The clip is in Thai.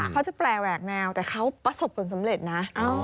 เขาจะแปลแหวกแนวแต่เขาประสบผลสำเร็จนะ